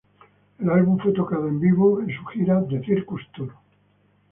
El álbum fue tocado en vivo en su gira The Circus Tour.